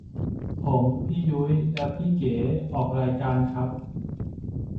ผมพี่ยุ้ยและพี่เก๋ออกรายการครับ